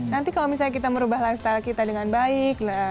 nanti kalau misalnya kita merubah lifestyle kita dengan baik